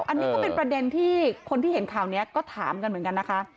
อันนี้ก็เป็นประเด็นที่คนที่เห็นข่าวนี้ก็ถามกันเหมือนกันนะคะ